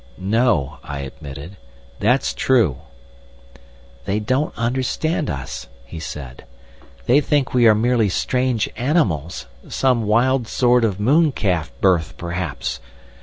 "No," I admitted, "that's true." "They don't understand us," he said, "they think we are merely strange animals, some wild sort of mooncalf birth, perhaps.